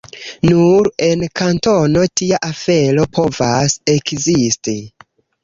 Nur en Kantono tia afero povas ekzisti.